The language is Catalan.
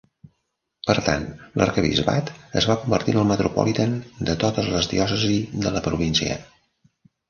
Per tant, l'arquebisbat es va convertir en el Metropolitan de totes les diòcesi de la província.